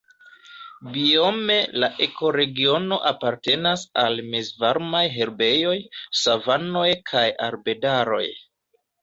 Biome la ekoregiono apartenas al mezvarmaj herbejoj, savanoj kaj arbedaroj.